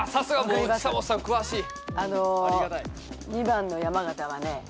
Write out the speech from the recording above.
２番の山形はね